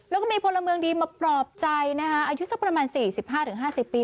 แล้วก็มีพลเมืองดีมาปลอบใจนะคะอายุสักประมาณ๔๕๕๐ปี